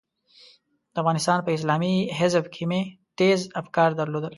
د افغانستان په اسلامي حزب کې مې تېز افکار درلودل.